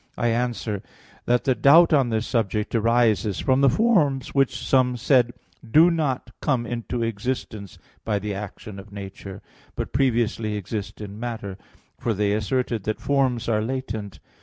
I answer that, The doubt on this subject arises from the forms which, some said, do not come into existence by the action of nature, but previously exist in matter; for they asserted that forms are latent.